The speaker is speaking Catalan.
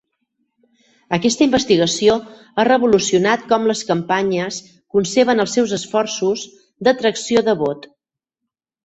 Aquesta investigació ha revolucionat com les campanyes conceben els seus esforços d'atracció de vot.